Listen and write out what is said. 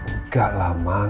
enggak lah mbak